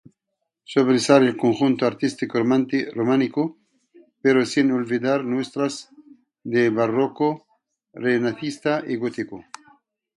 Sobresale el conjunto artístico románico, pero sin olvidar muestras de barroco, renacentista y gótico.